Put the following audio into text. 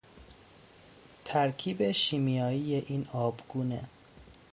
ترکیب شیمیایی این آبگونه